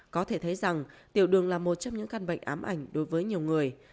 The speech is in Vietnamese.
có thể thấy rằng tiểu đường là một trong những căn bệnh ám ảnh đối với nhiều người